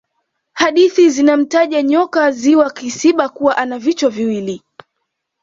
hadithi zinamtaja nyoka wa ziwa kisiba kuwa ana vichwa viwili